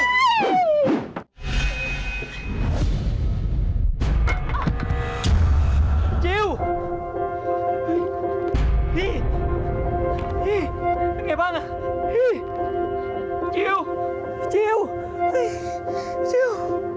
พี่จิลพี่เป็นไงบ้างอะพี่พี่จิลพี่จิลพี่จิล